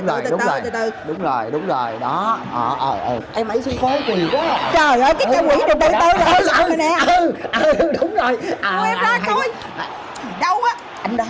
ăn sữa cây đi ăn sữa cây tốt lắm á